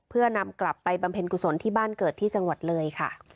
เพื่อนำกลับไปบำเพ็ญกุศลที่บ้านเกิดที่จังหวัดเลยค่ะ